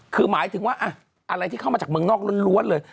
คือหมายถึงว่าอะไรที่เข้ามาจากเมืองนอกล้วนเลย